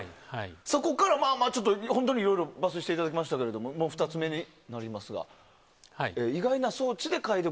そこから、本当にいろいろ抜粋していただいて２つ目になりますが意外な装置で解読！